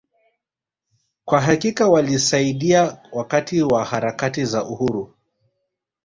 Kwa hakika walisaidia wakati wa harakati za Uhuru